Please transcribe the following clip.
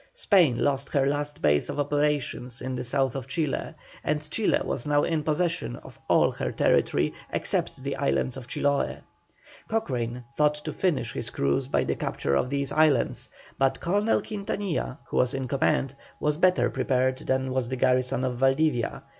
Spain lost her last base of operations in the south of Chile, and Chile was now in possession of all her own territory except the islands of Chiloe. Cochrane thought to finish his cruise by the capture of these islands, but Colonel Quintanilla, who was in command, was better prepared than was the garrison of Valdivia.